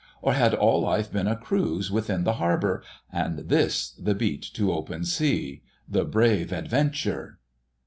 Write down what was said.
Or had all life been a cruise within the harbour: and this the beat to open sea ... The Brave Adventure?